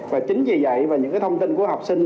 và chính vì vậy những thông tin của học sinh